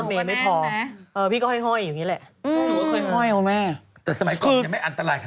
แต่สมัยก่อนยังไม่อันตรายขนาดนี้